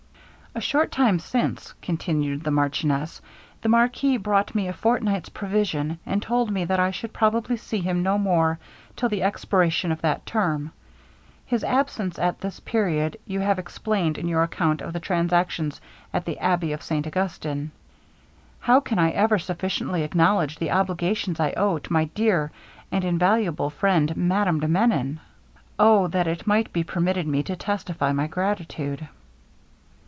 'A short time since,' continued the marchioness, 'the marquis brought me a fortnight's provision, and told me that I should probably see him no more till the expiration of that term. His absence at this period you have explained in your account of the transactions at the abbey of St Augustin. How can I ever sufficiently acknowledge the obligations I owe to my dear and invaluable friend Madame de Menon! Oh! that it might be permitted me to testify my gratitude.'